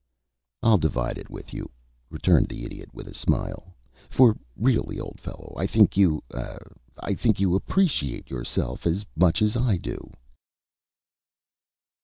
"I'll divide with you," returned the Idiot, with a smile. "For really, old fellow, I think you ah I think you appreciate yourself as much as I do."